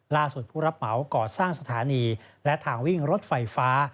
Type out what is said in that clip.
ผู้รับเหมาก่อสร้างสถานีและทางวิ่งรถไฟฟ้า